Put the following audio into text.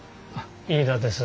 飯田です。